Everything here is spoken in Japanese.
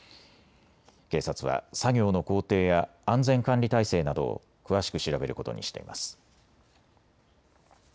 警察は作業の工程や安全管理体制などを詳しく調べることにしています。